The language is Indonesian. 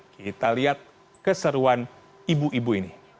kita lihat keseruan ibu ibu ini